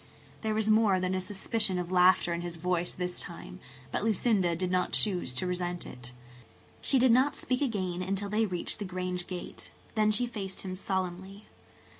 There was more than a suspicion of laughter in his voice this time, but Lucinda did not choose to resent it. She did not speak again until they reached the Grange gate. Then she faced him solemnly.